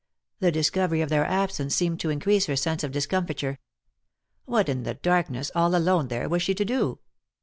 The discovery of their absence seemed to increase her sense of discomfiture. What, in the darkness, all alone there, was she to do?